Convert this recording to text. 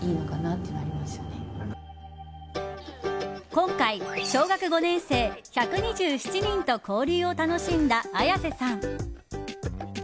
今回、小学５年生１２７人と交流を楽しんだ綾瀬さん。